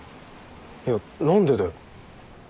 いや何でだよ。